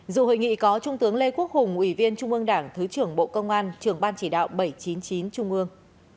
dù hội nghị có trung tướng lê quốc hùng ủy viên trung ương đảng thứ trưởng bộ công an trưởng ban chỉ đạo bảy trăm chín mươi chín trung ương